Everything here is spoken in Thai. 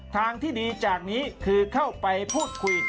ทางที่ดีจากนี้คือเข้าไปพูดคุย